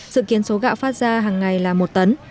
dự kiến số gạo phát ra hàng ngày là một tấn